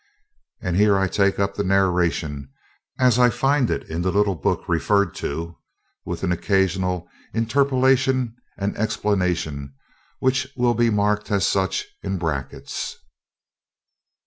And here I take up the narration as I find it in the little book referred to, with an occasional interpolation and explanation which will be marked as such in brackets.